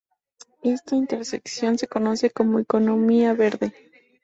Esta intersección se conoce como economía verde.